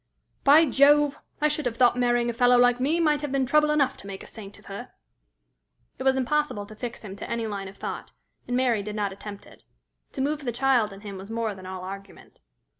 "By Jove! I should have thought marrying a fellow like me might have been trouble enough to make a saint of her." It was impossible to fix him to any line of thought, and Mary did not attempt it. To move the child in him was more than all argument.